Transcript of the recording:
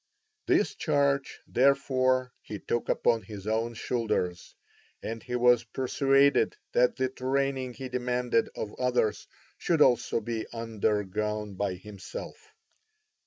This charge, therefore, he took upon his own shoulders, and he was persuaded that the training he demanded of others should also be undergone by himself.